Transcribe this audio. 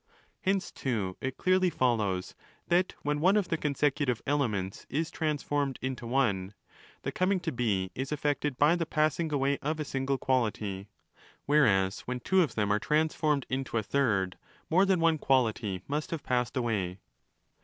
Hence, too, it clearly follows that, when one of the con secutive 'elements' is transformed into one, the coming to be is effected by the passing away of a single quality: whereas, when two of them are transformed into a third, more than one quality must have passed away.